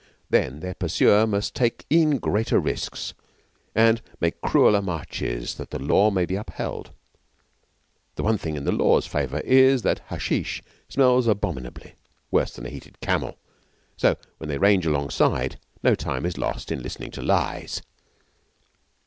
Then their pursuer must take e'en greater risks and make crueller marches that the Law may be upheld. The one thing in the Law's favour is that hashish smells abominably worse than a heated camel so, when they range alongside, no time is lost in listening to lies.